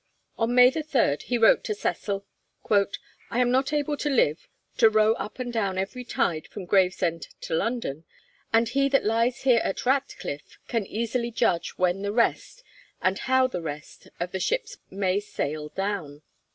On May 3, he wrote to Cecil: 'I am not able to live, to row up and down every tide from Gravesend to London, and he that lies here at Ratcliff can easily judge when the rest, and how the rest, of the ships may sail down.'